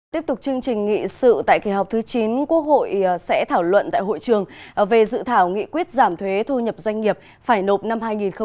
tiếp tục chương trình nghị sự tại kỳ họp thứ chín quốc hội sẽ thảo luận tại hội trường về dự thảo nghị quyết giảm thuế thu nhập doanh nghiệp phải nộp năm hai nghìn hai mươi